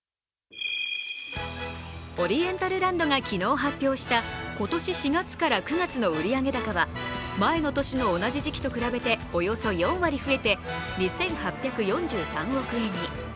オリエンタルランドが昨日発表した今年４月から９月の売上高は前の年の同じ時期と比べておよそ４割増えて２８４３億円に。